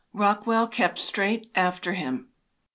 Rockwell kept straight after him.